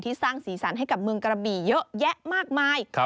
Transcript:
สร้างสีสันให้กับเมืองกระบี่เยอะแยะมากมาย